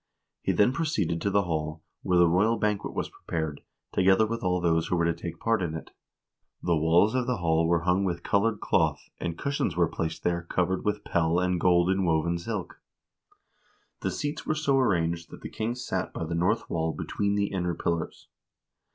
He then proceeded to the hall, where the royal banquet was prepared, together with all those who were to take part in it. The walls of the hall were hung with colored cloth, and cushions were placed there covered with pell and gold inwoven silk. The seats were so arranged that the king sat by the north wall between the inner pillars.